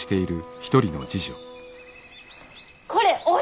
これお稲！